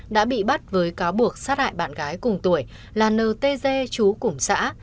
đã bị bắt với cáo buộc sát hại bạn gái cùng tuổi là nơ tê dê chú cùng xã